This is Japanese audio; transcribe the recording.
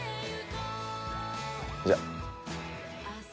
じゃあ。